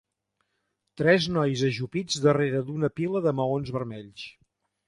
Tres nois ajupits darrere d'una pila de maons vermells.